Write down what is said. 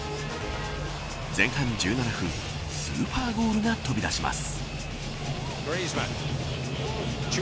前半１７分スーパーゴールが飛び出します。